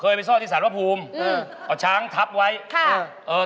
เคยก็ไปซ่อนติสรรพภูมิเอาช้างทับไว้นะครับ